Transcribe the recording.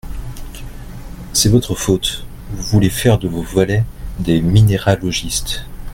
C’est votre faute, vous voulez faire de vos valets des minéralogistes…